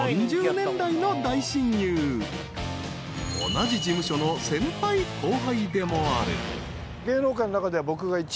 ［同じ事務所の先輩後輩でもある］